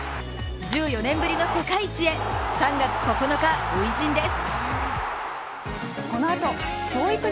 １４年ぶりの世界一へ３月９日初陣です。